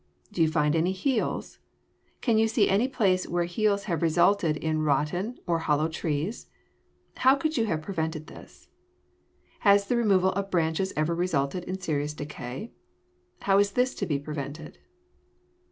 Do you find any heels? Can you see any place where heels have resulted in rotten or hollow trees? How could you have prevented this? Has the removal of branches ever resulted in serious decay? How is this to be prevented?